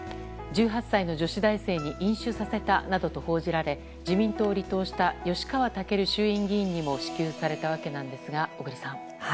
１８歳の女子大生に飲酒させたなどと報じられ自民党を離党した吉川赳衆議院議員にも支給されたわけなんですが小栗さん。